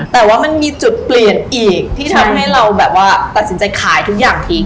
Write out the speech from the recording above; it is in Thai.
แต่ว่ามันมีจุดเปลี่ยนอีกที่ทำให้เราแบบว่าตัดสินใจขายทุกอย่างทิ้ง